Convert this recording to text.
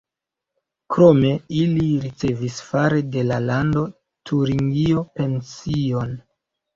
Krome ili ricevis fare de la Lando Turingio pension.